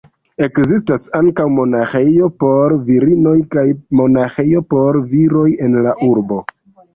Ekzistas ankaŭ monaĥejo por virinoj kaj monaĥejo por viroj en la urbo.